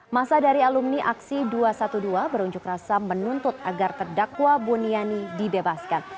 masa dari alumni aksi dua ratus dua belas berunjuk rasa menuntut agar terdakwa buniani dibebaskan